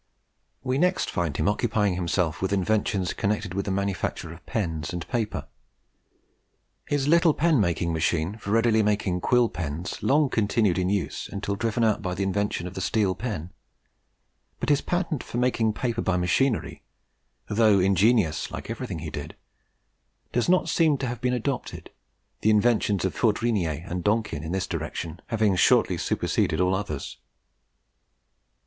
We next find him occupying himself with inventions connected with the manufacture of pens and paper. His little pen making machine for readily making quill pens long continued in use, until driven out by the invention of the steel pen; but his patent for making paper by machinery, though ingenious, like everything he did, does not seem to have been adopted, the inventions of Fourdrinier and Donkin in this direction having shortly superseded all others.